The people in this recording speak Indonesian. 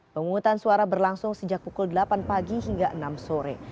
pemungutan suara berlangsung sejak pukul delapan pagi hingga enam sore